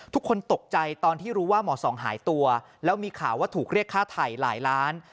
ทุกคนตกใจตอนที่รู้ว่าหมอสองหายตัวแล้วมีข่าวว่าถูกเรียกค่าไถ่หลายล้าน